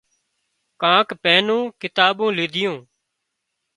ڪانڪ پئينُون ڪتاٻُون ليڌيون